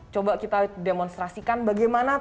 coba kita demonstrasikan bagaimana